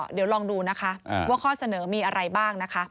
เดี๋ยวลองดูว่าข้อเสนอมีอะไรบ้าง